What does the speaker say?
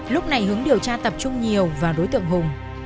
lúc này hướng điều tra tập trung nhiều vào đối tượng hùng